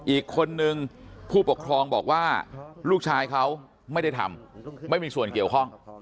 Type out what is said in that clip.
อีกคนนึงผู้ปกครองบอกว่าลูกชายเขาไม่ได้ทำไม่มีส่วนเกี่ยวข้อง